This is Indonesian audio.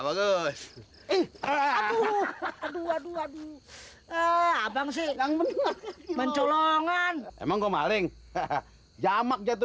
terus eh aduh aduh aduh aduh abang sedang mencolongan emang ngomong hahaha jamak jatuh